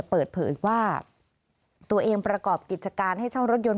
เปิดเผยว่าตัวเองประกอบกิจการให้เช่ารถยนต์